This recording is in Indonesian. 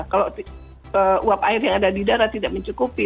kalau uap air yang ada di darat tidak mencukupi